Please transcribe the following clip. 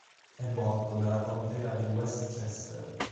È morto nella Contea di Westchester.